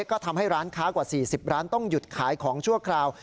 ก็ทำให้ร้านค้ากว่า๔๐ร้านต้องหยุดขายของชั่วคราว